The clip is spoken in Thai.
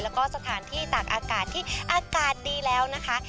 แล้วก็สถานที่ตากอากาศที่อากาศดีแล้วนะคะ